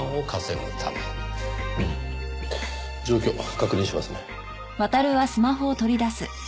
うん。状況確認しますね。